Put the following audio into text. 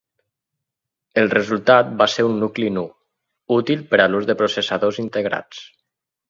El resultat va ser un nucli "nu", útil per a l'ús de processadors integrats.